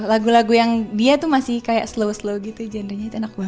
lagu lagu yang dia tuh masih kayak slow slow gitu gendernya itu enak banget